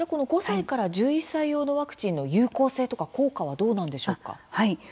５歳から１１歳用のワクチンの有効性とか効果はどうなんでしょうか？